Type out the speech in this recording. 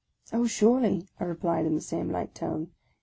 " Oh, surely !" I replied in the same light tone.